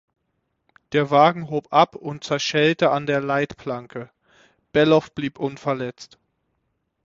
Der Wagen hob ab und zerschellte an der Leitplanke; Bellof blieb unverletzt.